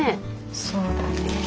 そうだね。